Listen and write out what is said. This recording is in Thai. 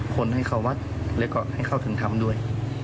คนให้เข้าวัดแล้วก็ให้เข้าถึงธรรมด้วย